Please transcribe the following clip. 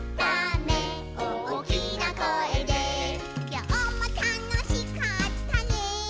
「きょうもたのしかったね」